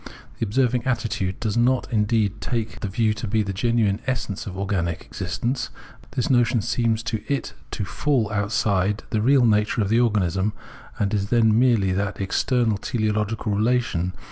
The observing attitude does not indeed take the reXo? to be the genuine essence of organic existence ; this notion seems to it to fall outside the real nature of the organism, and is then merely that external teleological relation above men * Cp.